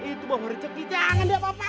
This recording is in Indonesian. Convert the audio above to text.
itu bang rizeki jangan dia apa apain